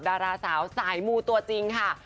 ดาราสาวสายมูตัวจริงค่ะ